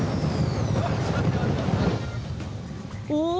お。